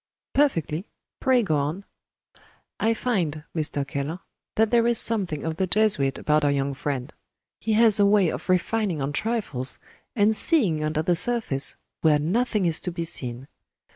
"Perfectly. Pray go on." "I find, Mr. Keller, that there is something of the Jesuit about our young friend. He has a way of refining on trifles, and seeing under the surface, where nothing is to be seen.